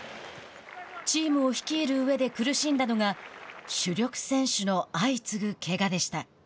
チームを率いるうえで苦しんだのが主力選手の相次ぐけがでした。